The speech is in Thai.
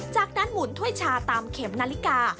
จากนั้นหมุนถ้วยชาตามเข็มนาฬิกา